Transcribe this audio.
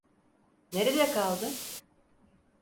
Nerede kaldı?